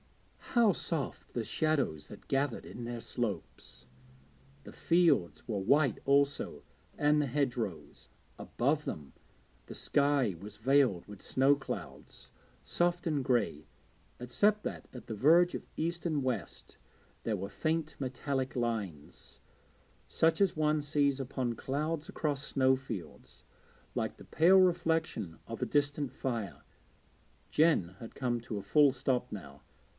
how soft the shadows that gathered in their slopes! The fields were white also, and the hedgerows. Above them the sky was veiled with snow clouds, soft and grey, except that at the verge of east and west there were faint metallic lines, such as one sees upon clouds across snowfields, like the pale reflections of a distant fire. Jen had come to a full stop now.